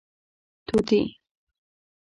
🦜 طوطي